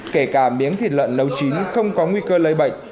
kể cả miếng thịt lợn nấu chín không có nguy cơ lấy bệnh